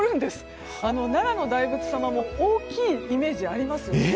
奈良の大仏様も大きいイメージがありますよね。